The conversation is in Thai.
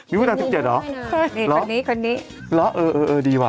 มีภูท่า๑๗เนี่ยเหรอร๋อเออดีว่ะ